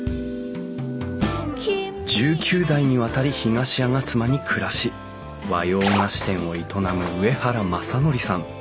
１９代にわたり東吾妻に暮らし和洋菓子店を営む上原政則さん。